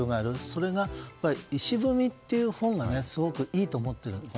それが、「いしぶみ」という本がすごくいいと思っているんです。